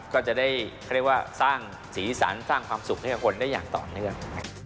ก็จะได้สร้างสีสันสร้างความสุขให้คุณได้อย่างต่อด้วยกัน